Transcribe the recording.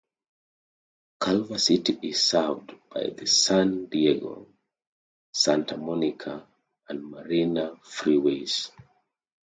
Culver City is served by the San Diego, Santa Monica, and Marina freeways.